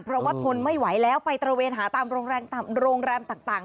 เพราะว่าทนไม่ไหวแล้วไปตระเวนหาตามโรงแรมต่าง